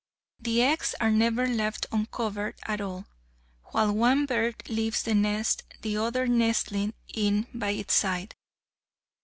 The eggs are never left uncovered at all—while one bird leaves the nest the other nestling in by its side.